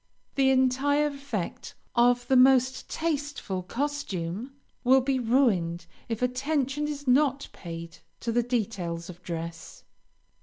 The entire effect of the most tasteful costume will be ruined if attention is not paid to the details of dress.